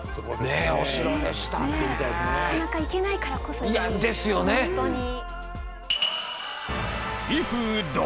なかなか行けないからこそ行きたい本当に。